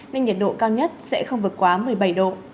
nên nhiệt độ cao nhất sẽ không vượt quá một mươi bảy độ